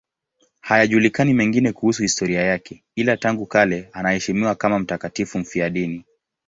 Hayajulikani mengine kuhusu historia yake, ila tangu kale anaheshimiwa kama mtakatifu mfiadini.